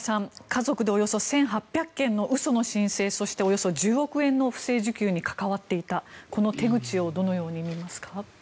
家族でおよそ１８００件の嘘の申請そしておよそ１０億円の不正受給に関わっていたこの手口をどのように見ますか。